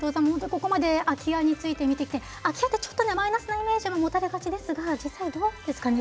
ここまで空き家について見てきて空き家ってちょっとマイナスなイメージをもたれがちですが実際どうですかね？